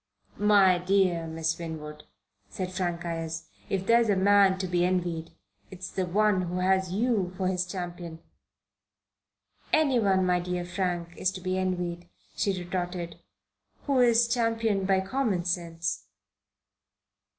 "My dear Miss Winwood," said Frank Ayres, "if there's a man to be envied, it's the one who has you for his champion!" "Anyone, my dear Frank, is to be envied," she retorted, "who is championed by common sense."